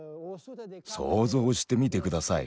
想像してみて下さい。